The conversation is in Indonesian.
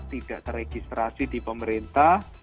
tidak teregistrasi di pemerintah